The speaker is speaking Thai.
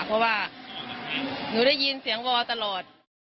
เพราะว่าหนูได้ยินเสียงวอตลอด